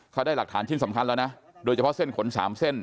เขาได้หลักฐานชิ้นสำคัญแล้วนะโดยเฉพาะเส้นขน๓เส้น